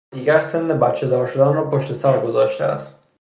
او دیگر سن بچهدار شدن را پشتسر گذاشته است.